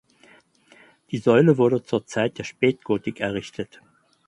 Die Säule wurde zur Zeit der Spätgotik errichtet.